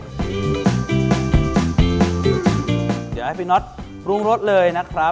เดี๋ยวให้พี่น็อตปรุงรสเลยนะครับ